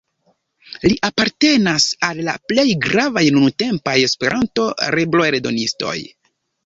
Li apartenas al la plej gravaj nuntempaj Esperanto-libroeldonistoj.